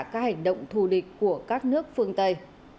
các hành động thù địch của các nước phương tây